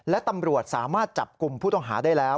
และตำรวจสามารถจับกลุ่มผู้ต้องหาได้แล้ว